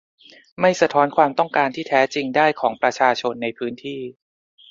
ไม่สะท้อนความต้องการที่แท้จริงได้ของประชาชนในพื้นที่